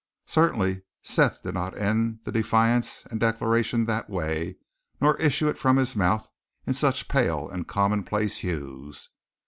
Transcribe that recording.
Certainly, Seth did not end the defiance and the declaration that way, nor issue it from his mouth in such pale and commonplace hues.